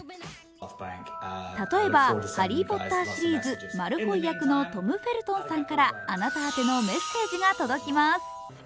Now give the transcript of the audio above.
例えば「ハリー・ポッター」シリーズマルフォイ役のトム・フェルトンさんから、あなた宛てのメッセージが届きます。